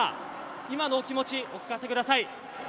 今のお気持ちをお聞かせください。